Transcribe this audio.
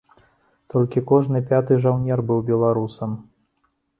Толькі кожны пяты жаўнер быў беларусам.